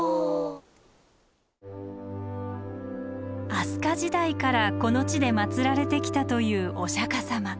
飛鳥時代からこの地でまつられてきたというお釈様。